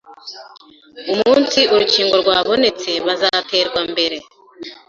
umunsi urukingo rwabonetse bazaterwa mbere.